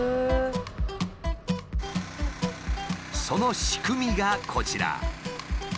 その仕組みがこちら。